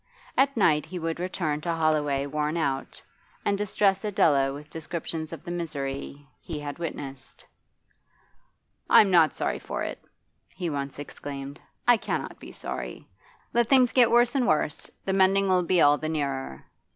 At night he would return to Holloway worn out, and distress Adela with descriptions of the misery he had witnessed. 'I'm not sorry for it,' he once exclaimed. 'I cannot be sorry. Let things get worse and worse the mending'll be all the nearer.